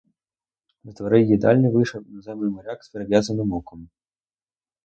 З дверей їдальні вийшов іноземний моряк з перев'язаним оком.